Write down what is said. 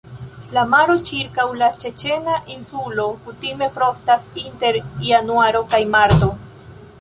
La maro ĉirkaŭ la Ĉeĉena Insulo kutime frostas inter Januaro kaj Marto.